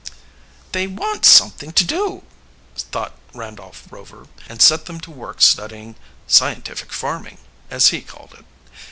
"They want something to do," thought Randolph Rover, and set them to work studying scientific farming, as he called it.